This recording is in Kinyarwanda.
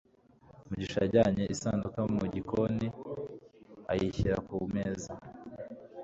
mugisha yajyanye isanduku mu gikoni ayishyira ku meza